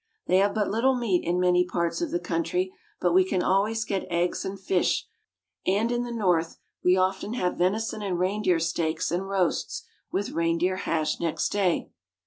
They have but little meat in many parts of the country, but we can always get eggs and fish, and in the north we often have venison and reindeer steaks and roasts, with reindeer hash next day.